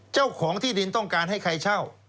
เจ้าของที่ดินต้องการให้ใครเช่า